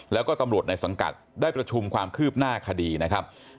แล้วก็ตำรวจในสังกัดได้ประชุมความคืบหน้าคดีนะครับ